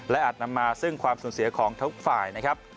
อาจนำมาซึ่งความสูญเสียของทุกฝ่ายนะครับ